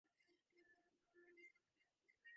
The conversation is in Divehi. ރަސޫލު ﷲ ﷺ ތިމަންމެންނަށް ޙަދީޘް ކުރެއްވި